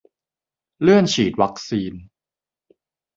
เลื่อนฉีดวัคซีน